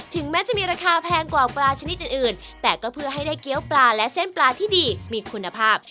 แม้จะมีราคาแพงกว่าปลาชนิดอื่นแต่ก็เพื่อให้ได้เกี้ยวปลาและเส้นปลาที่ดีมีคุณภาพ